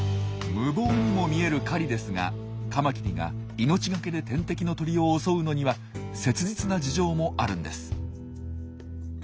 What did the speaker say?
無謀にも見える狩りですがカマキリが命懸けで天敵の鳥を襲うのには切実な事情もあるんです。